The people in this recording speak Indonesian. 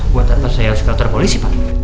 buat tetap saya yang sekretar polisi pak